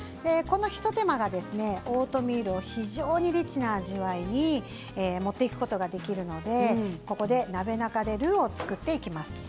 この一手間がオートミールを非常にリッチな味わいに持っていくことができるのでここで鍋中でルーを作っていきます。